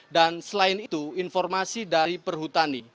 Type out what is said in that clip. dan selain itu informasi dari perhutani